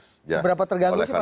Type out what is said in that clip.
seberapa terganggu sih pak